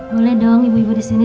boleh dong ibu ibu disini